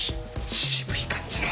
渋い感じの。